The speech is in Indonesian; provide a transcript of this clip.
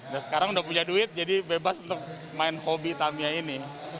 dan sekarang udah punya duit jadi bebas untuk main hobi tamiya ini